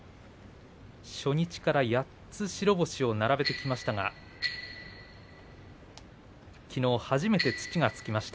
初日から８つ白星を並べてきましたがきのう初めて土がつきました。